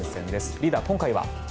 リーダー、今回は？